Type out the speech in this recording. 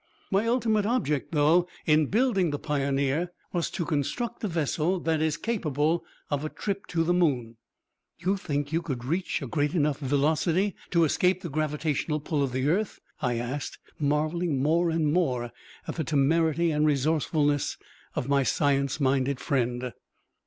My ultimate object, though, in building the Pioneer, was to construct a vessel that is capable of a trip to the moon." "You think you could reach a great enough velocity to escape the gravitational pull of the earth?" I asked, marveling more and more at the temerity and resourcefulness of my science minded friend.